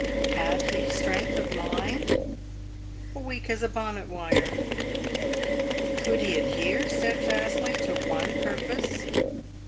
Had he strength of mind ? Weak as bonnet wire. Could he adhere steadfastly to one purpose